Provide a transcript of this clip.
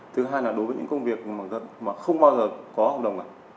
thứ hai là đối với những công việc mà không bao giờ có hợp đồng này